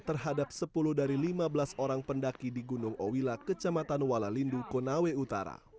terhadap sepuluh dari lima belas orang pendaki di gunung owila kecamatan walalindu konawe utara